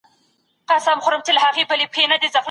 هر افغان د سرلوړي احساس کاوه.